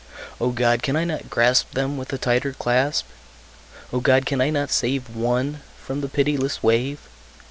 O God! can I not grasp Them with a tighter clasp? O God! can I not save One from the pitiless wave?